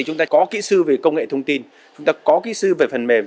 chúng ta có kỹ sư về công nghệ thông tin chúng ta có kỹ sư về phần mềm